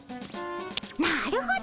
なるほど！